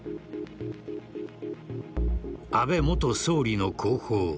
安倍元総理の後方